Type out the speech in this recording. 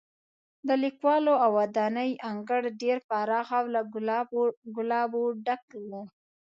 د لیکوالو ودانۍ انګړ ډېر پراخه او له ګلابو ډک و.